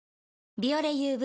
「ビオレＵＶ」